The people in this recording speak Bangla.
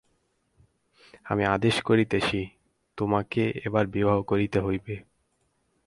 আমি আদেশ করিতেছি, তোমাকে এবার বিবাহ করিতেই হইবে।